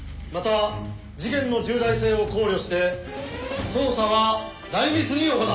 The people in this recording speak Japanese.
また事件の重大性を考慮して捜査は内密に行う。